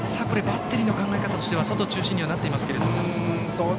バッテリーの考え方は外中心になっていますが。